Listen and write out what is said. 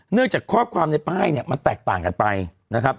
จากข้อความในป้ายเนี่ยมันแตกต่างกันไปนะครับ